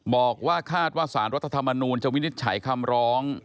บอกว่าคาดว่าสารรัฐธรรมนูลจะวินิจฉัยคำร้อง